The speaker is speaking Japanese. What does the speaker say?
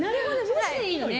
文字でいいのね。